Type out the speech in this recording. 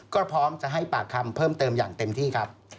ก็พร้อมจะให้ปากคำเพิ่มเติมอย่างเต็มที่ครับ